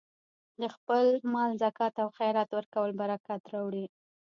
د خپل مال زکات او خیرات ورکول برکت راوړي.